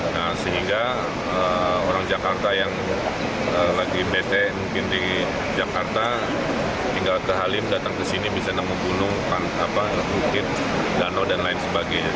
nah sehingga orang jakarta yang lagi bete mungkin di jakarta tinggal ke halim datang ke sini bisa nemu gunung bukit danau dan lain sebagainya